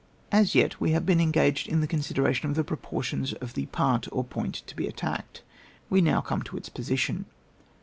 As yet we have been engaged in the consideration of the proportions of the part or point to be attacked, we now oome to its position.